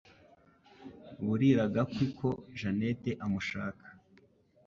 Burira gakwi ko jeanette amushaka.